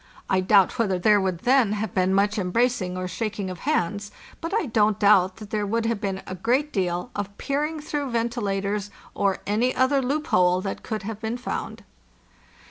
I doubt whether there would then have been much em bracing or shaking of hands, but I don't doubt that there would have been a great deal of peering through venti lators or any other loophole that could have been found.